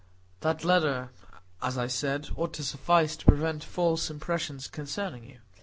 "That letter, as I said, ought to suffice to prevent false impressions concerning you.